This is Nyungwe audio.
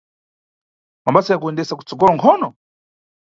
Mabasa ya kuyendesa kutsogolo khonkho?